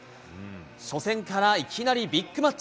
初戦からいきなりビッグマッチ。